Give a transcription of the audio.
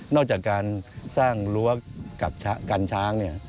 นอกจากการสร้างรัวกับกันช้าง